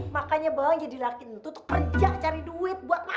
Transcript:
makanya bawang jadi laki nu tuh kerja cari duit buat makan